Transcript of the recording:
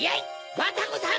バタコさん！